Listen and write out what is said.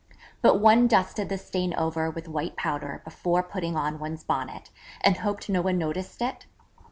But one dusted the stain over with white powder before putting on one's Bonnet, and hoped no one noticed it?